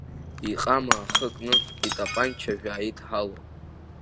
Иҟама ахы кны, итапанчажә ааидҳало.